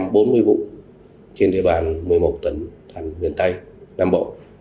đó là một trăm bốn mươi vụ trên địa bàn một mươi một tỉnh thành miền tây nam bộ